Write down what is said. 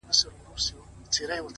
د حقیقت اورېدل د ودې پیل دی!